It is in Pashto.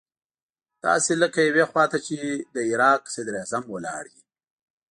داسې لکه يوې خوا ته چې د عراق صدراعظم ولاړ وي.